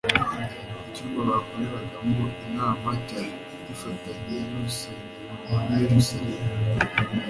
Icyumba bakoreragamo inama cyari gifatanye n’urusengero rw’i Yerusalemu.